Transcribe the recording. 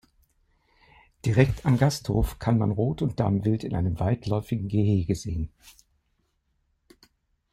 Direkt am Gasthof kann man Rot- und Damwild in einem weitläufigen Gehege sehen.